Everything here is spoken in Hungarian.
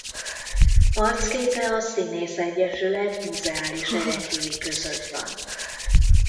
Arcképe a Színészegyesület muzeális ereklyéi között van.